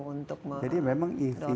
untuk mendorong orang menggunakan ev